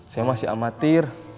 saya masih amatir